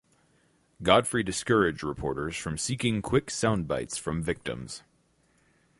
Godfrey discouraged reporters from seeking quick sound bites from victims.